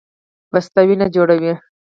پسته وینه جوړوي